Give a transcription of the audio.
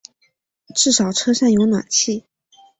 至少车上有暖气